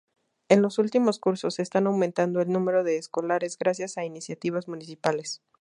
En los últimos cursos está aumentando el número de escolares gracias a iniciativas municipales.